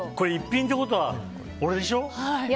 これ、逸品ってことは俺でしょ。